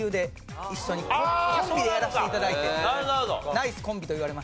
ナイスコンビと言われました。